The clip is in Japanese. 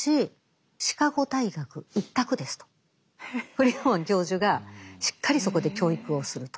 フリードマン教授がしっかりそこで教育をすると。